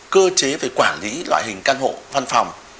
cơ chế về quản lý loại hình căn hộ văn phòng